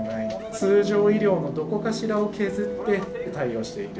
通常医療のどこかしらを削って対応している。